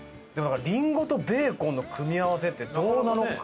りんごとベーコンの組み合わせってどうなのか？